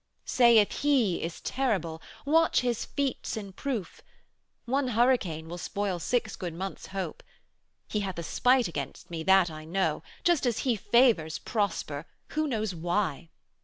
'Saith He is terrible: watch His feats in proof! 200 One hurricane will spoil six good months' hope. He hath a spite against me, that I know, Just as He favors Prosper, who knows why?